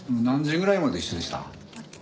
何時ぐらいまで一緒でした？